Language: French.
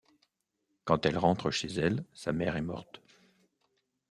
Quand elle rentre chez elle sa mère est morte.